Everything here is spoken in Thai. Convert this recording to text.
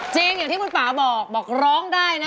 จริงอย่างที่มูลป่าบอกบอกร้องได้นะ